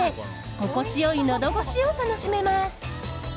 心地良いのど越しを楽しめます。